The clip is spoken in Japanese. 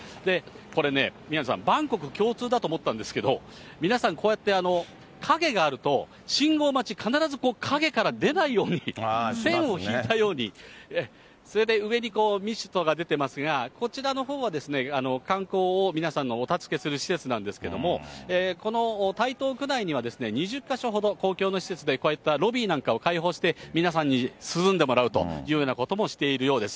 これね、宮根さん、万国共通だと思ったんですけど、皆さんこうやって、影があると、信号待ち、必ず影から出ないように、線を引いたように、それで上にミストが出てますが、こちらのほうは観光を、皆さんをお助けする施設なんですけども、この台東区内には２０か所ほど、公共の施設でこういったロビーなんかを開放して、皆さんに涼んでもらうというようなこともしているようです。